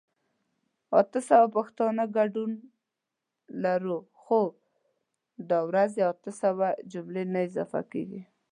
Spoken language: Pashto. اته سوه پښتانه ګډون لرو خو دا ورځې اته سوه جملي نه اضافه کيږي